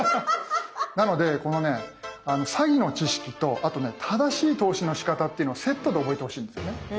なのでこのね詐欺の知識とあとね正しい投資のしかたっていうのをセットで覚えてほしいんですよね。